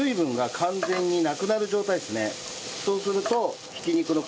そうすると。